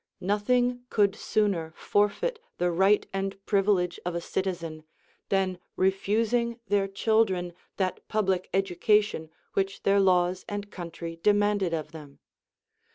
21. Nothing could sooner forfeit the right and privilege of a citizen, than refusing their children that public educa tion which their laAVS and country demanded of them.